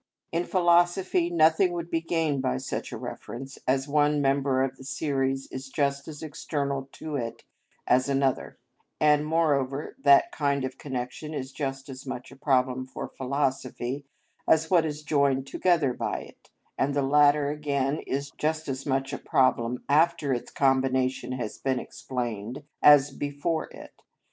In philosophy nothing would be gained by such a reference, as one member of the series is just as external to it as another; and, moreover, that kind of connection is just as much a problem for philosophy as what is joined together by it, and the latter again is just as much a problem after its combination has been explained as before it.